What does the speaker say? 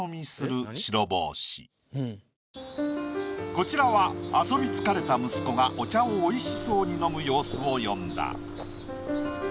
こちらは遊び疲れた息子がお茶をおいしそうに飲む様子を詠んだ。